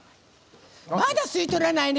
まだ吸い取らないね。